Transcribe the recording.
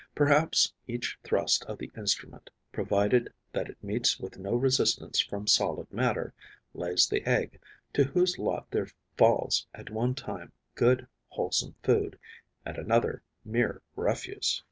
Perhaps each thrust of the instrument, provided that it meets with no resistance from solid matter, lays the egg, to whose lot there falls at one time good, wholesome food, at another mere refuse.